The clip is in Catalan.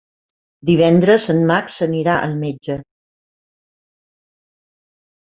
Divendres en Max anirà al metge.